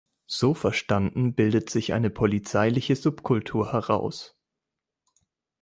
So verstanden bildet sich eine polizeiliche Subkultur heraus.